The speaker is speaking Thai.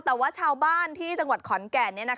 แต่ว่าชาวบ้านที่จังหวัดขอนแก่น